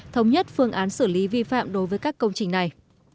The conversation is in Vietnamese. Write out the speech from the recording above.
thống nhất phương án xử lý vi phạm đối với các công trình này